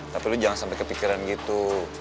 tapi lo jangan sampe kepikiran gitu